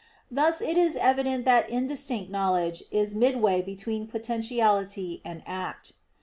Thus it is evident that indistinct knowledge is midway between potentiality and act.